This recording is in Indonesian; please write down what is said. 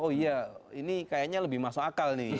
oh iya ini kayaknya lebih masuk akal nih